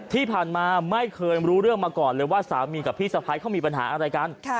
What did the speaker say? ที่ผ่านมาไม่เคยรู้เรื่องมาก่อนเลยว่าสามีกับพี่สะพ้ายเขามีปัญหาอะไรกัน